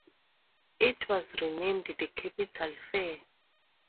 It was renamed "the Capital Fair".